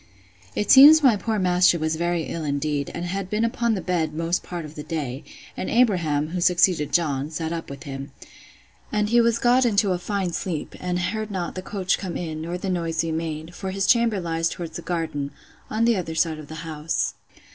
It seems my poor master was very ill indeed, and had been upon the bed most part of the day; and Abraham (who succeeded John) sat up with him. And he was got into a fine sleep, and heard not the coach come in, nor the noise we made; for his chamber lies towards the garden,—on the other side of the house.